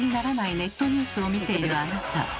ネットニュースを見ているあなた。